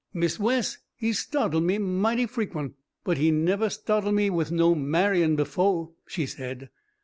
"Mist' Wes, he stahtle me mighty frequen', but he nevah stahtle me with no marryin' befo'," she said.